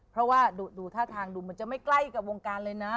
เพราะว่าดูท่าทางดูมันจะไม่ใกล้กับวงการเลยนะ